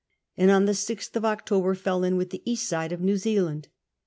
and on the 6th of October fell in with the east side of New Zcfiland.